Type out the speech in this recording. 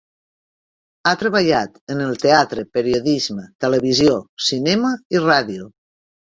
Ha treballat en el teatre, periodisme, televisió, cinema i ràdio.